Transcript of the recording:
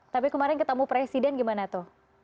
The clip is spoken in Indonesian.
tapi kemarin ketemu presiden gimana tuh